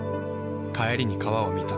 帰りに川を見た。